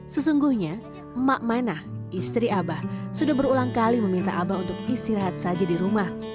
sesungguhnya emak manah istri abah sudah berulang kali meminta abah untuk istirahat saja di rumah